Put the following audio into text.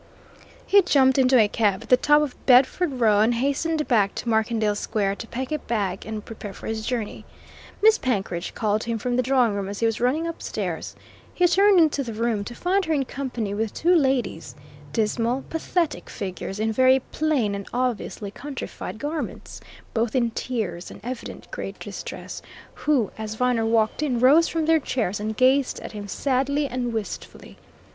He jumped into a cab at the top of Bedford Row and hastened back to Markendale Square to pack a bag and prepare for his journey. Miss Penkridge called to him from the drawing room as he was running upstairs; he turned into the room to find her in company with two ladies dismal, pathetic figures in very plain and obviously countrified garments, both in tears and evident great distress, who, as Viner walked in, rose from their chairs and gazed at him sadly and wistfully.